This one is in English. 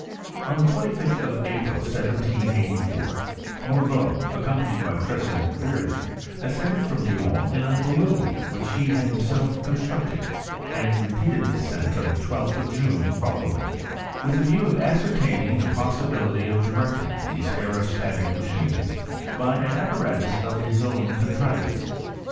On the 25th of April, 1784,Morveaa, accompanied by PrGHJdent Virly, ascended firom Dijon in a bal loon, which he had himself constructed, and repeated the us(!ent on the 12th of June following, widi a view of aHcertaining the possibility of directing these aerostatic machines, by an apparatus of bis own contrivance.